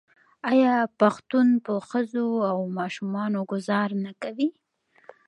آیا پښتون په ښځو او ماشومانو ګذار نه کوي؟